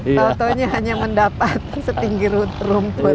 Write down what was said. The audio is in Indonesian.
tautonya hanya mendapat setinggi rumput